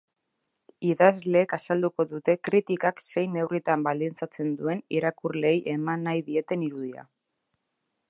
Idazleek azalduko dute kritikak zein neurritan baldintzatzen duen irakurleei eman nahi dieten irudia.